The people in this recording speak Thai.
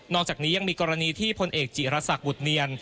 อกจากนี้ยังมีกรณีที่พลเอกจิรษักบุตเนียน